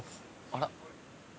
あら。